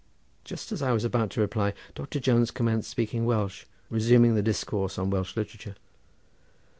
Just as I was about to reply Doctor Jones commenced speaking Welsh, resuming the discourse on Welsh literature.